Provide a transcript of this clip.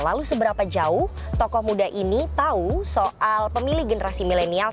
lalu seberapa jauh tokoh muda ini tahu soal pemilih generasi milenial